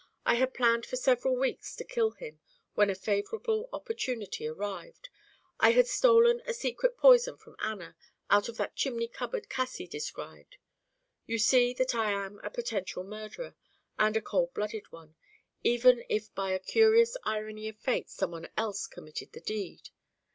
I had planned for several weeks to kill him when a favourable opportunity arrived. I had stolen a secret poison from Anna out of that chimney cupboard Cassie described. You see that I am a potential murderer, and a cold blooded one, even if by a curious irony of fate some one else committed the deed.